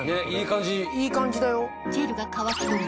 これいい感じだよ。